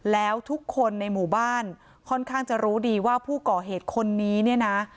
แล้วทุกคนในหมู่บ้านค่อนข้างจะรู้ดีว่าผู้ก่อเหตุคนนี้เนี่ยนะ